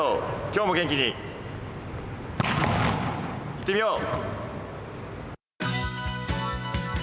今日も元気にいってみよう！